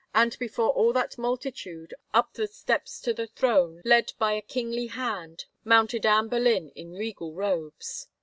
. and before all that mul titude, up the steps to the throne, led by a kingly hand, mounted Anne Boleyn in regal robes.